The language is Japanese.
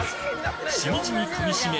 しみじみ噛みしめ